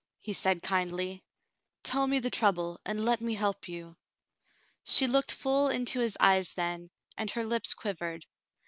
^" he said kindly. "Tell me the trouble, and let me help you." She looked full into his eyes then, and her lips quivered.